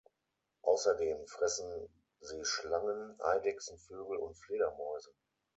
Außerdem fressen sie Schlangen, Eidechsen, Vögel und Fledermäuse.